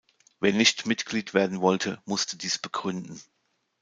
Wer nicht Mitglied werden wollte, musste dies begründen.